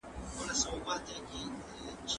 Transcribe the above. ته ولي کتابتون پاکوې.